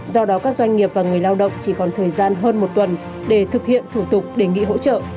do đó các doanh nghiệp và người lao động chỉ còn thời gian hơn một tuần để thực hiện thủ tục đề nghị hỗ trợ